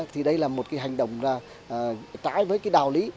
thì đây là một cái hành động trái với cái đào lý